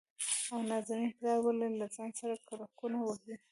او نازنين پلاره ! ولې له ځان سره کلګکونه وهې؟